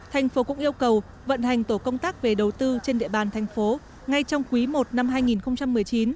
tp hcm cũng yêu cầu vận hành tổ công tác về đầu tư trên địa bàn tp hcm ngay trong quý i năm hai nghìn một mươi chín